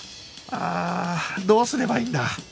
ああどうすればいいんだ？